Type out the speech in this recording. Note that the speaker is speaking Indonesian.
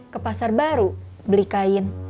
ke pasar baru beli kain